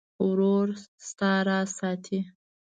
ورور د تا راز ساتي.